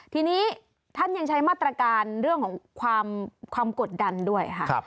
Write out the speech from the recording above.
ทีนี้ท่านยังใช้มาตรการเรื่องของความกดดันด้วยค่ะ